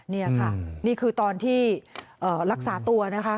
นี่ค่ะนี่คือตอนที่รักษาตัวนะคะ